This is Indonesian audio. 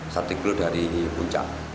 satu kilo dari puncak